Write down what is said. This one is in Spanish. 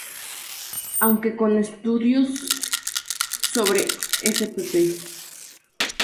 Aunque con estudios sobre spp.